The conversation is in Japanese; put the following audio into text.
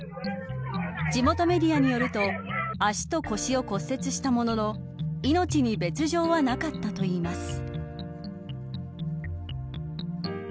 地元メディアによると足と腰を骨折したものの命に別条はなかったといいます。